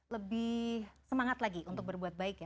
lebih semangat lagi untuk berbuat baik ya